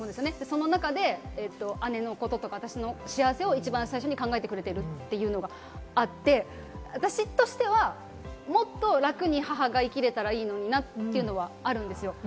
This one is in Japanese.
そんな中で姉のこととか、私の幸せを一番最初に考えてくれてるというのがあって、私としてはもっと楽に母が生きれたらいいのになというのは、あるんですよ。